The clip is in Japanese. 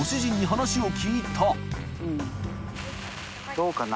どうかな？